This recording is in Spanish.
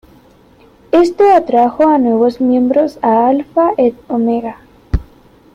Esto atrajo a nuevos miembros a "Alpha et Omega".